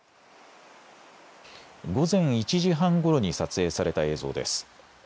午前１時半ごろに撮影された映像です。